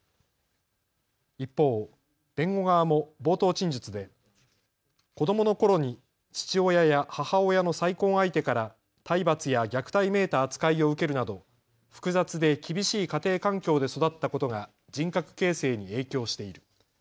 一方、弁護側も冒頭陳述で子どものころに父親や母親の再婚相手から体罰や虐待めいた扱いを受けるなど複雑で厳しい家庭環境で育ったことが人格形成に影響している。